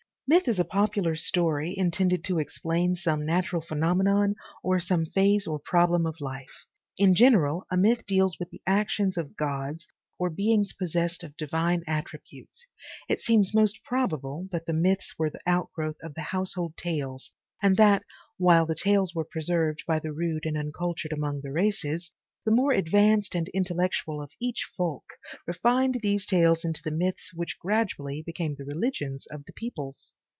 MYTH IS a popular story intended to explain some natural phenomenon or some phase or problem of life. In general, a myth deals with the actions of gods, or beings possessed of divine attributes. It seems most probable that the myths were the outgrowth of the household tales and that, while the tales were preserved by the rude and uncultured among the races, the more advanced and intellectual of each folk refined these tales into the myths which gradually became the religions of the peoples.